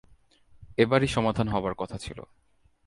এবারই সমাধান হবার কথা ছিলো।